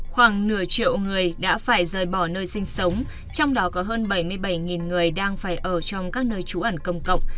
khoảng nửa triệu người đã phải rời bỏ nơi sinh sống trong đó có hơn bảy mươi bảy người đang phải ở trong các nơi trú ẩn công cộng